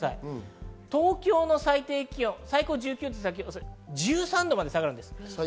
東京の最低気温、１３度まで下がります。